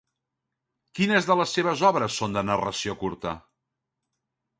Quines de les seves obres són de narració curta?